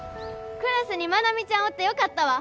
クラスに愛美ちゃんおってよかったわ。